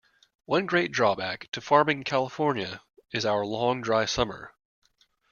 One great drawback to farming in California is our long dry summer.